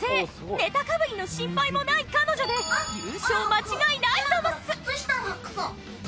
ネタかぶりの心配もない彼女で優勝間違いないザマス！